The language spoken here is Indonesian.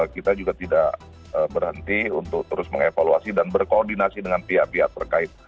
kita juga tidak berhenti untuk terus mengevaluasi dan berkoordinasi dengan pihak pihak terkait